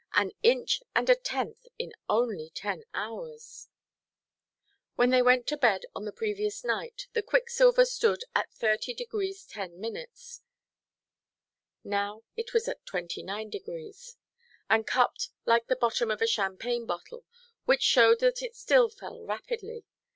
An inch and a tenth in only ten hours!" When they went to bed on the previous night, the quicksilver stood at 30° 10´. Now it was at 29°, and cupped like the bottom of a champagne bottle, which showed that it still fell rapidly.